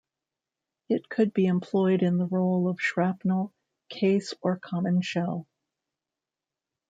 It could be employed in the role of shrapnel, case or common shell.